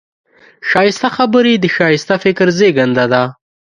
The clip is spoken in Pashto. ښایسته خبرې د ښایسته فکر زېږنده ده